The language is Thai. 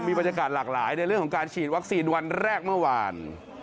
มีบรรยากาศหลากหลายในเรื่องของการฉีดวัคซีนวันแรกเมื่อวาน